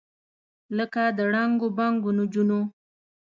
لکه د ړنګو بنګو نجونو،